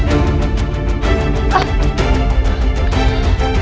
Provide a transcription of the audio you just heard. jangan sampai mama seperti ini